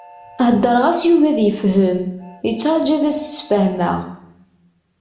Heddṛeɣ-as yugi ad yefhem, yettṛaǧu ad as-fehmeɣ!